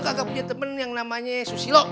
gue kagak punya temen yang namanya susilo